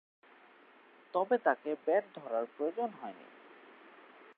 তবে তাকে ব্যাট ধরার প্রয়োজন হয়নি।